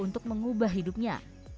untuk mengubah hidupnya